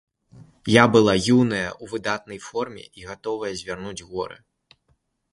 Я была юная, у выдатнай форме і гатовая звярнуць горы!